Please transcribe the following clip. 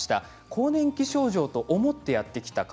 更年期症状と思ってやって来た方